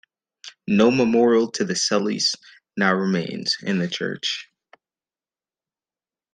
No memorial to the Celys now remains in the church.